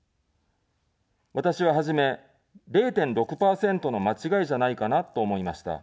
私は、初め、０．６％の間違いじゃないかなと思いました。